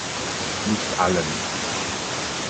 Nicht allen.